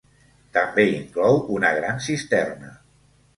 També inclou una gran cisterna.